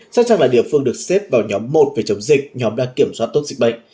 sóc trăng là địa phương được xếp vào nhóm một về chống dịch nhóm đang kiểm soát tốt dịch bệnh